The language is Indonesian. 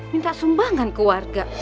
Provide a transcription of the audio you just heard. minta sumbangan ke warga